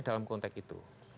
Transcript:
dalam konteks itu